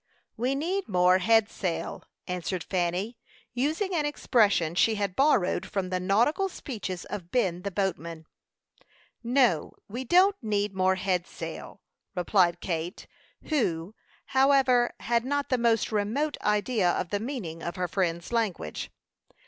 "We need more head sail," answered Fanny, using an expression she had borrowed from the nautical speeches of Ben, the boatman. "No, we don't need more head sail," replied Kate, who, however, had not the most remote idea of the meaning of her friend's language.